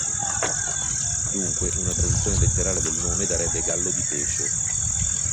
Dunque, una traduzione letterale del nome darebbe "Gallo di pesce".